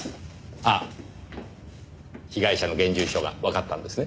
ああ被害者の現住所がわかったんですね？